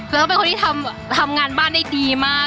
แล้วเป็นคนที่ทำงานบ้านได้ดีมาก